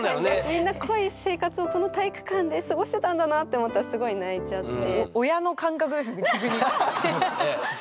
みんな濃い生活をこの体育館で過ごしてたんだなって思ったらすごい泣いちゃって。